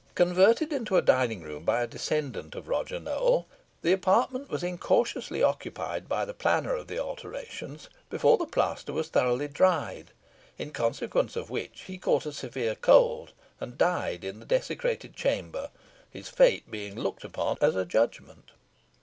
Converted into a dining room by a descendant of Roger Nowell, the apartment was incautiously occupied by the planner of the alterations before the plaster was thoroughly dried; in consequence of which he caught a severe cold, and died in the desecrated chamber, his fate being looked upon as a judgment.